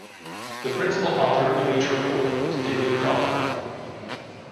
The principal author of each report was David Crawford.